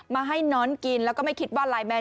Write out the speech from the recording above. มาให้น้อนกินแล้วก็ไม่คิดว่าลายแมน